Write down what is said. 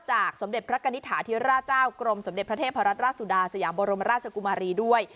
จากสมเด็จพระกัณฑาธิราชาวกรมสมเด็จพระเทพรสรัสสุดาศยาบรมราชกุมารีด้วย